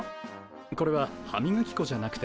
これは歯みがき粉じゃなくて。